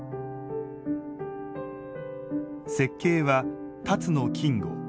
設計は辰野金吾。